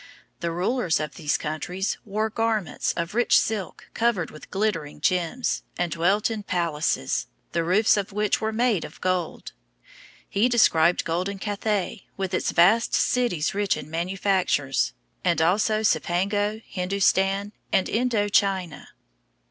The rulers of these countries wore garments of rich silk covered with glittering gems, and dwelt in palaces, the roofs of which were made of gold. He described golden Cathay, with its vast cities rich in manufactures, and also Cipango, Hindustan, and Indo China.